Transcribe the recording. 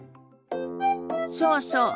そうそう。